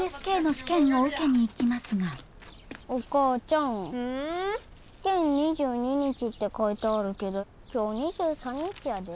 試験２２日って書いてあるけど今日２３日やで。